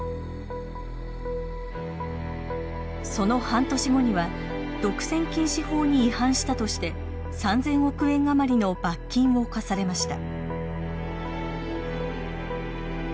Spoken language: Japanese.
その半年後には独占禁止法に違反したとして３，０００億円余りの罰金を科されました。